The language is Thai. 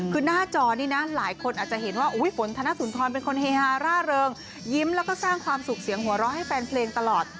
คือหน้าจอนี้นะหลายคนอาจจะเห็นว่าฝนธนสุนทรเป็นคนเฮฮาร่าเริงยิ้มแล้วก็สร้างความสุขเสียงหัวเราะให้แฟนเพลงตลอด